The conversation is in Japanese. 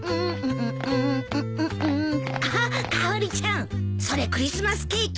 あっかおりちゃんそれクリスマスケーキ？